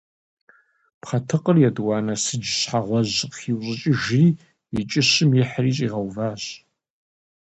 Пхъэтыкъыр етӀуанэм сыдж щхьэгъуэжь къыхиӀущӀыкӀыжри, и кӀыщым ихьри щигъэуващ.